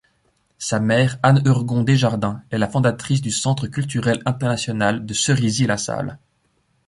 Sa mère, Anne Heurgon-Desjardins, est la fondatrice du Centre culturel international de Cerisy-la-Salle.